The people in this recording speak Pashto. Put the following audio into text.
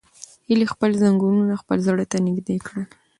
هیلې خپل زنګونونه خپل زړه ته نږدې کړل.